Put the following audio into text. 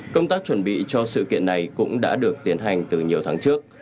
công tác chuẩn bị cho sự kiện này cũng đã được tiến hành từ nhiều tháng trước